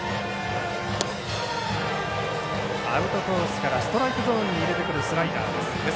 アウトコースからストライクゾーンに出てくるスライダーです。